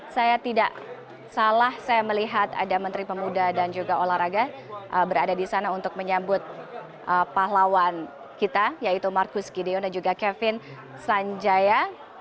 saya tidak salah saya melihat ada menteri pemuda dan juga olahraga berada di sana untuk menyambut pahlawan kita yaitu marcus gideon dan juga kevin sanjaya